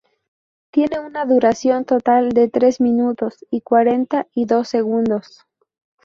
Tiene una duración total de tres minutos y cuarenta y dos segundos.